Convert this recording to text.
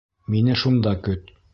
Мине шунда көт.